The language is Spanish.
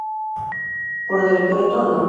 Por decreto No.